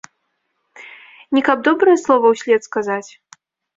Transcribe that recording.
Не каб добрае слова ўслед сказаць.